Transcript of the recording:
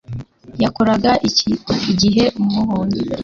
Yakoraga iki igihe umubonye